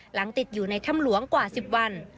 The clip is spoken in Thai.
ติดอยู่ในถ้ำหลวงกว่า๑๐วัน